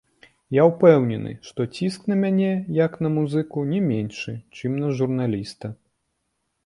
Я ўпэўнены, што ціск на мяне як на музыку не меншы, чым на журналіста.